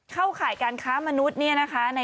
ข่ายการค้ามนุษย์เนี่ยนะคะ